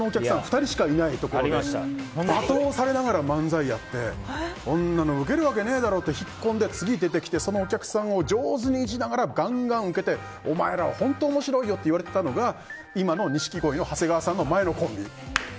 ２人しかいないところで罵倒されながら漫才をやってウケるわけねえだろって引っ込んで、次出てきてそのお客さんを上手にイジりながらガンガンウケてお前らは本当面白いよって言われてたのが今の錦鯉の長谷川さんの前のコンビ。